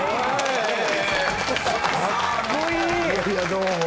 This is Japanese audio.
どうも。